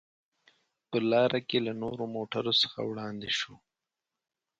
په لار کې له نورو موټرو څخه وړاندې شوو.